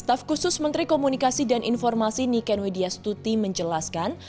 staf khusus menteri komunikasi dan informasi niken widya stuti menjelaskan